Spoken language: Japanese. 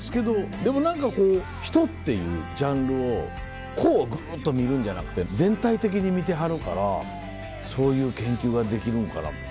でも何かこう「人」っていうジャンルを個をグっと見るんじゃなくて全体的に見てはるからそういう研究ができるんかなみたいな。